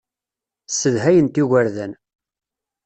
Ssedhayent igerdan.